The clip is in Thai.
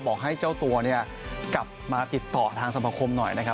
บอกให้เจ้าตัวเนี่ยกลับมาติดต่อทางสมคมหน่อยนะครับ